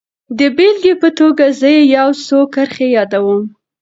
د بېلګې په توګه زه يې يو څو کرښې يادوم.